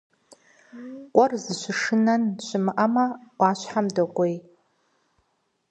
Кхъуэр зыщышынэн щымыӀэмэ, Ӏуащхьэм докӀуей.